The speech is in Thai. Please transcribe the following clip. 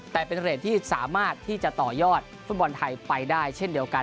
แต่เป็นเรทที่สามารถที่จะต่อยอดฟุตบอลไทยไปได้เช่นเดียวกัน